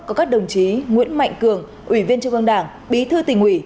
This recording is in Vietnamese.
có các đồng chí nguyễn mạnh cường ủy viên trung ương đảng bí thư tỉnh ủy